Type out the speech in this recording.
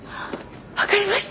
分かりました。